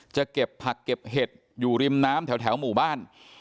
จะเก็บผักเก็บเห็ดอยู่ริมน้ำแถวหมู่บ้าน